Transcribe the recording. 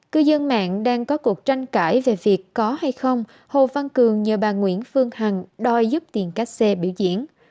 cư dân mạng đang có cuộc tranh cãi về việc có hay không hồ văn cường nhờ bà nguyễn phương hằng đòi giúp tiền cách xê biểu diễn